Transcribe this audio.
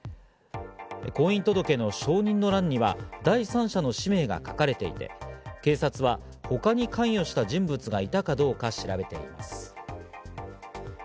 婚姻届の承認の欄には第三者の氏名が書かれていて、警察は他に関与した人物がいたかどうか調べています。